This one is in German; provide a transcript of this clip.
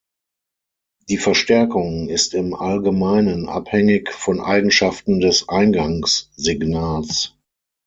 Die Verstärkung ist im Allgemeinen abhängig von Eigenschaften des Eingangssignals.